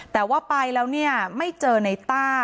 แต่ว่าไปแล้วเนี่ยไม่เจอในต้า